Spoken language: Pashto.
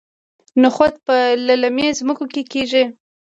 نخود په للمي ځمکو کې کیږي.